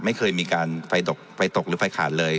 ไม่เคยมีการไฟตกไฟตกหรือไฟขาดเลย